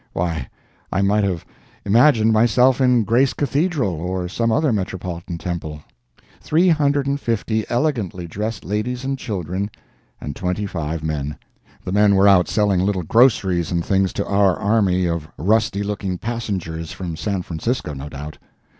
Why, I might have imagined myself in Grace Cathedral, or some other metropolitan temple. Three hundred and fifty elegantly dressed ladies and children, and twenty five men! The men were out selling little groceries and things to our army of rusty looking passengers from the San Francisco, no doubt.